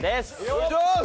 お願いします！